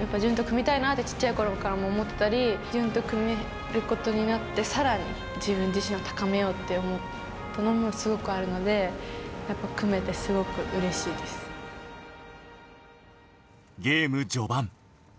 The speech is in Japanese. やっぱ隼と組みたいなって、ちっちゃいころから思ってたり、隼と組めることになってさらに自分自身を高めようと思ったのもすごくあるので、やっぱ組めて、ゲーム序盤。